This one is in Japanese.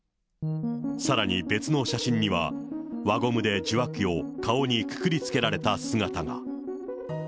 さらに別の写真には、輪ゴムで受話器を顔にくくりつけられた姿が。